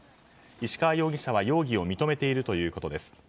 石川容疑者は容疑を認めているということです。